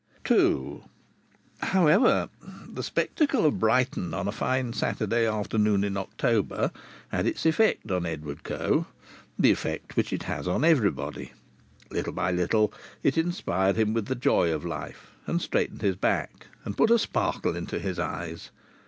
II However, the spectacle of Brighton on a fine Saturday afternoon in October had its effect on Edward Coe the effect which it has on everybody. Little by little it inspired him with the joy of life, and straightened his back, and put a sparkle into his eyes.